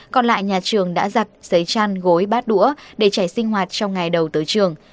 còn lại nhà trường đã giặt giấy chăn gối bát đũa để trẻ sinh hoạt trong ngày đầu tới trường